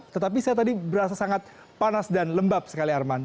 tetapi saya tadi berasa sangat panas dan lembab sekali arman